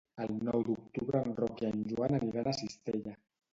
El nou d'octubre en Roc i en Joan aniran a Cistella.